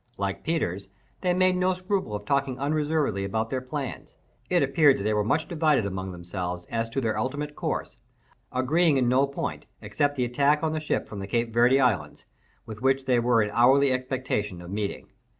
Like Peters, they made no scruple of talking unreservedly about their plans. It appeared that they were much divided among themselves as to their ultimate course, agreeing in no point, except the attack on the ship from the Cape Verd Islands, with which they were in hourly expectation of meeting.